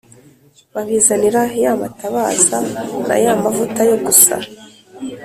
babizanira ya matabaza na ya mavuta yo gusa